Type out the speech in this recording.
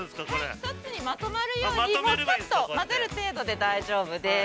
◆１つにまとまるようにさっと混ぜる程度で大丈夫です。